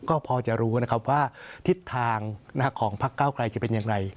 ก็พอจะรู้นะครับว่าทิศทางของพักเก้าไกลจะเป็นอย่างไร